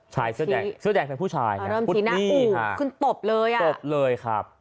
ชายเสื้อแดงเสื้อแดงเป็นผู้ชายพุทธนี่ค่ะอุ้คุณตบเลยตบเลยครับ